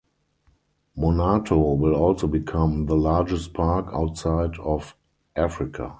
Monarto will also become the largest park outside of Africa.